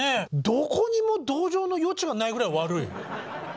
どこにも同情の余地がないぐらい悪い。